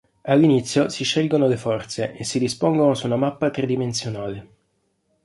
All'inizio si scelgono le forze e si dispongono su una mappa tridimensionale.